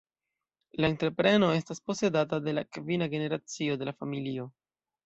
La entrepreno estas posedata de la kvina generacio de la familio.